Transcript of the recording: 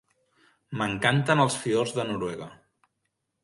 M'encanten els fiords de Noruega.